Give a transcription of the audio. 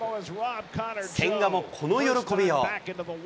千賀もこの喜びよう。